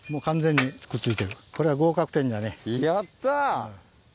やった！